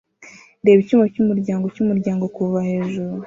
Reba icyumba cyumuryango cyumuryango kuva hejuru